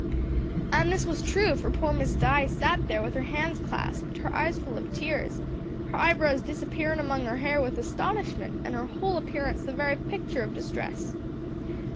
"An' this was true, for poor Miss Di sat there with her hands clasped, her eyes full of tears, her eyebrows disappearin' among her hair with astonishment, and her whole appearance the very pictur' of distress.